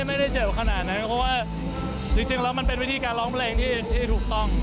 ไม่ได้เจ็บขนาดนั้นเพราะว่าจริงแล้วมันเป็นวิธีการร้องเพลงที่ถูกต้อง